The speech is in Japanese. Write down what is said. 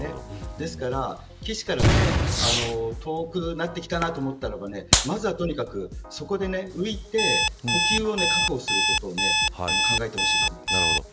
ですから、岸から遠くなってきたなと思ったらまずは、とにかくそこで浮いて呼吸を確保することを考えてほしいと思います。